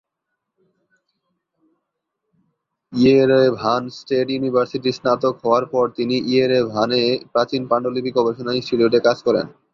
Yerevan state ইউনিভার্সিটির স্নাতক হওয়ার পর তিনি ইয়েরেভানে প্রাচীন পান্ডুলিপি গবেষণা ইনস্টিটিউটে কাজ করেন।